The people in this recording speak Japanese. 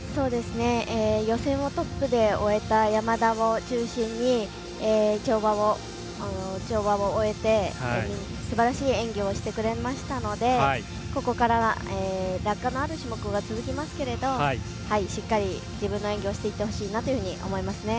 予選をトップで終えた山田を中心に、跳馬を終えてすばらしい演技をしてくれましたのでここから落下のある種目が続きますけれどしっかり自分の演技をしていってほしいなと思いますね。